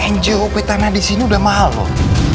ngop tanah disini udah mahal loh